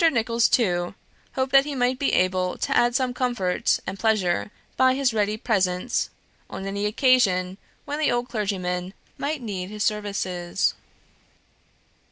Nicholls, too, hoped that he might be able to add some comfort and pleasure by his ready presence, on any occasion when the old clergyman might need his services.